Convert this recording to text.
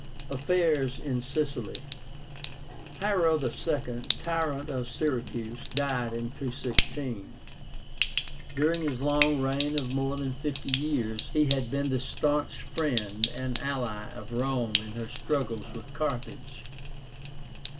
AFFAIRS IN SICILY. HIERO II., tyrant of Syracuse, died in 216. During his long reign of more than fifty years he had been the stanch friend and ally of Rome in her struggles with Carthage.